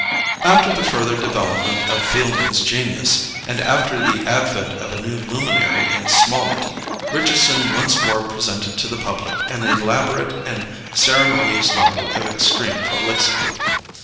After the further development of Fielding's genius, and after the advent of a new luminary in Smollett, Richardson once more presented to the public an elaborate and ceremonious novel of extreme prolixity.